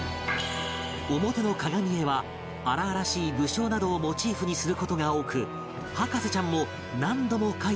表の鏡絵は荒々しい武将などをモチーフにする事が多く博士ちゃんも何度も描いてきたが